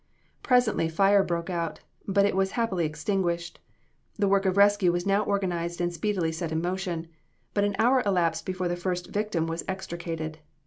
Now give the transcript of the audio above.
Presently, fire broke out, but it was happily extinguished. The work of rescue was now organized and speedily set in motion, but an hour elapsed before the first victim was extricated.